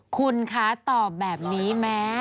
คุณคะตอบแบบนี้แม้